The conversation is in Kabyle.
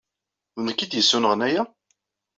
D nekk ay d-yessunɣen aya?